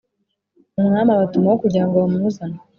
Umwami abatumaho kugirango bamuzane